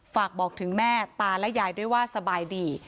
ฝากบอกถึงแม่ตาและยายด้วยว่าสบายดี